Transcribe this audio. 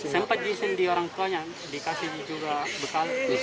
sempat diisin di orang tuanya dikasih juga bekal